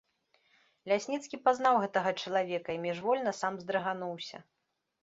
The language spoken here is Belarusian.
Лясніцкі пазнаў гэтага чалавека і міжвольна сам здрыгануўся.